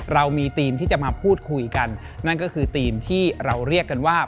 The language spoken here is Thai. เรามีธีมที่จะมาพูดคุยกันนั่นก็คือธีมที่เราเรียกกันว่า